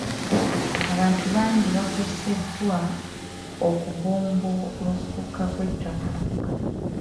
Abantu bangi nnyo bakoseddwa okubumbulukuka kw'ettaka.